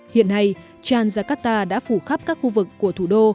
hiện nay chan jakarta đã phủ khắp các khu vực của thủ đô